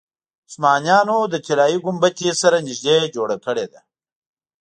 عثمانیانو د طلایي ګنبدې سره نږدې جوړه کړې ده.